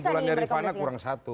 kesimpulan dari fana kurang satu